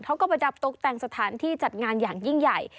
เขาก็ประดับตกแต่งสถานที่จัดงานอย่างยิ่งใหญ่